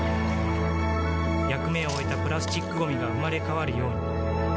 役目を終えたプラスチックごみが生まれ変わるように